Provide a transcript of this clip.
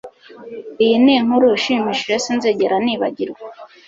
Iyi ni inkuru ishimishije sinzigera nibagirwa